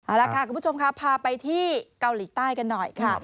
เอาละค่ะคุณผู้ชมค่ะพาไปที่เกาหลีใต้กันหน่อยค่ะ